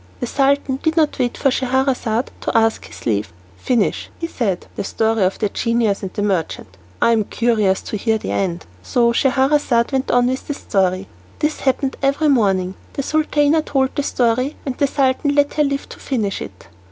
The Sultan did not wait for Scheherazade to ask his leave. "Finish," said he, "the story of the genius and the merchant. I am curious to hear the end." So Scheherazade went on with the story. This happened every morning. The Sultana told a story, and the Sultan let her live to finish it.